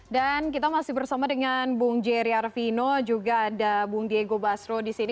dan kita masih bersama dengan bung jerry arvino juga ada bung diego basro disini